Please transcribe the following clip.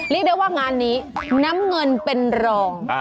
เรียกได้ว่างานนี้น้ำเงินเป็นรอง